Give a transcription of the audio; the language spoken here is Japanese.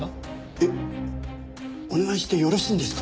えっお願いしてよろしいんですか？